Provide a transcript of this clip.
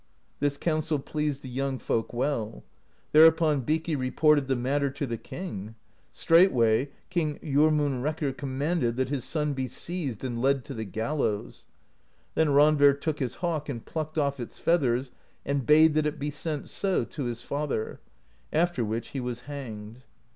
This counsel pleased the young folk well. Thereupon Bikki reported the matter to the king. Straightway, King Jormunrekkr com manded that his son be seized and led to the gallows. Then Randver took his hawk and plucked ofF its feathers, and bade that it be sent so to his father; after which he was hanged.